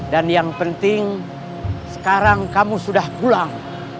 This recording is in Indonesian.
dan yang penting sekarang kamu sudah pulang